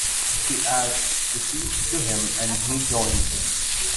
She asks to speak to him and he joins her.